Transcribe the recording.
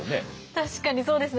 確かにそうですね。